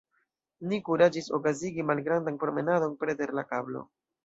Ni kuraĝis okazigi malgrandan promenadon preter la kablo.